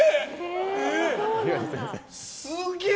すげえ！